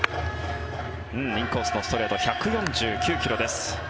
インコースのストレート１４９ｋｍです。